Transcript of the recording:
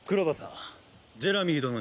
ジェラミー殿に連絡を。